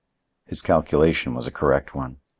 His calculation was a correct one.